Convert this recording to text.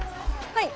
はい。